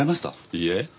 いいえ。